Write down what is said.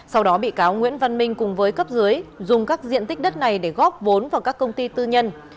sau đó bị cáo nguyễn văn minh cùng với cấp dưới dùng các diện tích đất này để góp vốn vào các công ty tư nhân